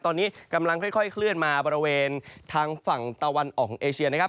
ตอนนี้กำลังค่อยเคลื่อนมาบริเวณทางฝั่งตะวันออกของเอเชียนะครับ